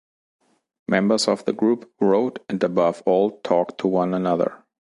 Members of the group wrote and above all talked to one another.